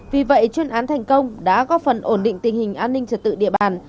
vì vậy chuyên án thành công đã góp phần ổn định tình hình an ninh trật tự địa bàn